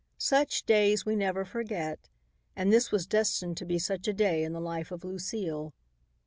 Such days we never forget, and this was destined to be such a day in the life of Lucile.